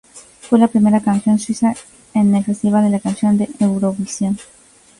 Fue la primera canción suiza en el Festival de la Canción de Eurovisión.